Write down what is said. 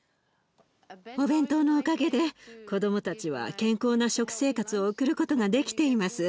お弁当のおかげで子どもたちは健康な食生活を送ることができています。